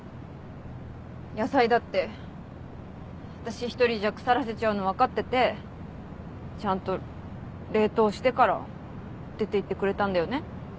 野菜だって私１人じゃ腐らせちゃうの分かっててちゃんと冷凍してから出ていってくれたんだよね？